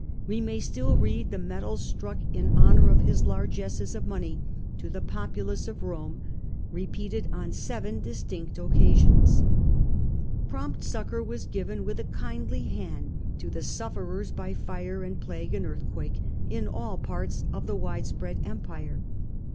We may still read the medals stimck in honour of his largesses of money to the populace of Rome, repeated on seven distinct occasions. Prompt succour was given with a kindly hand to the sufferers by fire and plague and earthquake in all parts of the widespread empire.